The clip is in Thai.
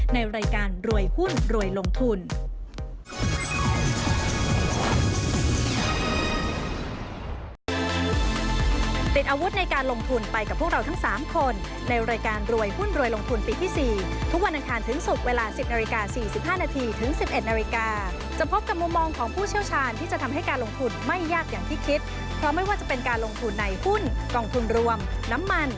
ในรายการรวยหุ้นรวยลงทุน